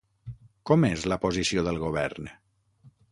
Com és la posició del govern?